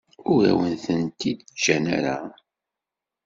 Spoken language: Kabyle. Ur awen-tent-id-ǧǧan ara.